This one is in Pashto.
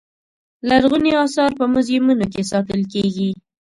لرغوني اثار په موزیمونو کې ساتل کېږي.